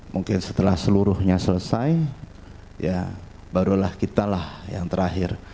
mungkin setelah seluruhnya selesai ya barulah kita lah yang terakhir